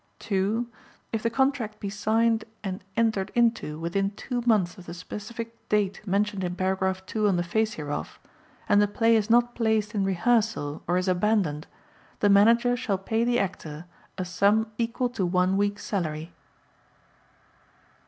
(2) If the contract be signed and entered into within two months of the specific date mentioned in Paragraph 2 on the face hereof and the play is not placed in rehearsal or is abandoned, the Manager shall pay the Actor a sum equal to one week's salary.